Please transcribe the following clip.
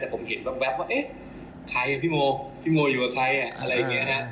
แต่ผมเห็นแว๊บว่าเอ๊ะใครพี่โมพี่โมอยู่กับใครอะไรอย่างนี้นะ